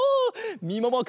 みももくん。